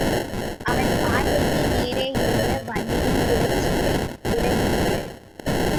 அவன் பார்வைக்கு நேரே இருந்த வண்டியின் திரைச்சீலை விலகிற்று.